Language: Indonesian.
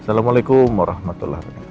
assalamualaikum warahmatullahi wabarakatuh